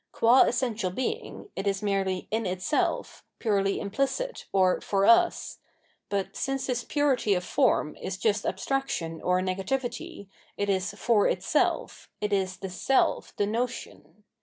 Qua essential Being, it is merely in itself, purely implicit, or for us : but since this purity of form is just abstraction or negativity, it is for itsdf, it is the self, the notion.